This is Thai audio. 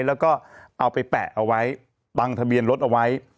แล้วก็เอาไปแปะเอาไว้บังทะเบียนรถเอาไว้